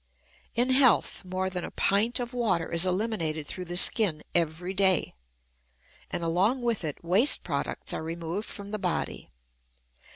In health more than a pint of water is eliminated through the skin every day, and along with it waste products are removed from the body.